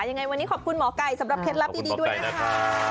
ยังไงวันนี้ขอบคุณหมอไก่สำหรับเคล็ดลับดีด้วยนะคะ